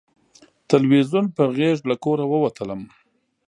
تلویزیون په غېږ له کوره ووتلم